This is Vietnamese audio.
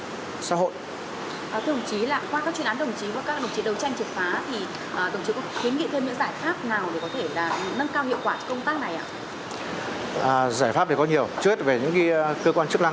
qua các chuyên án đồng chí và các đồng chí đấu tranh triệt phá đồng chí có kiến nghị thêm những giải pháp nào để có thể nâng cao hiệu quả công tác này ạ